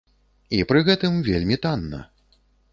І пры гэтым вельмі танна.